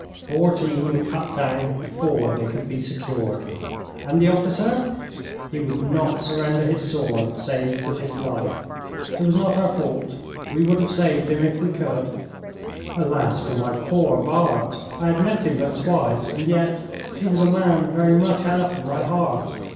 'Fourteen were cut down before they could be secured.' 'And the officer?' 'He would not surrender his sword save with his life. It was not our fault. We would have saved him if we could.' Alas for my poor Bart! I had met him but twice, and yet he was a man very much after my heart.